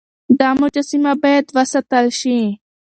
دا مجسمه بايد وساتل شي.